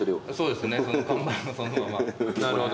なるほど。